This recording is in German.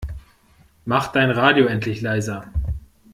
Mach dein Radio endlich leiser!